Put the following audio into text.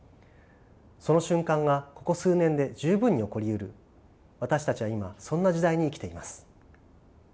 その瞬間がここ数年で十分に起こりうる私たちは今そんな時代に生きています。